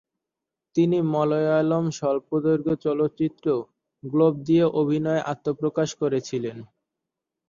তিনি মালয়ালম স্বল্পদৈর্ঘ্য চলচ্চিত্র "গ্লোব" দিয়ে অভিনয়ে আত্মপ্রকাশ করেছিলেন।